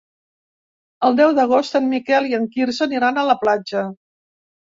El deu d'agost en Miquel i en Quirze aniran a la platja.